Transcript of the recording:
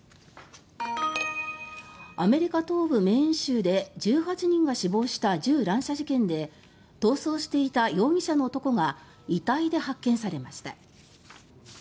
アメリカ東部メーン州で１８人が死亡した銃乱射事件で逃走していた容疑者の男が遺体で発見されました。